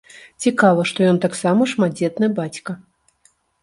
Цікава, што ён таксама шматдзетны бацька.